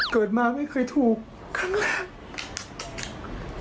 เกิดมาไม่เคยถูกครั้งแรก